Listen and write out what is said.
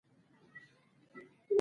کمپنۍ اوس په نړۍ کې پراخه شبکه لري.